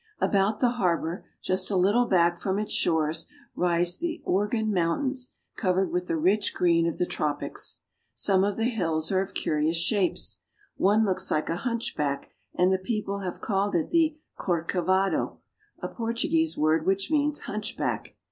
About the harbor, just a little back from its shores, rise the Organ Mountains, covered with the rich green of the tropics. Some of the hills are of curious shapes. One looks Hke a hunchback, and the people have called it the " Corcovado," a Portuguese word which means hunch back.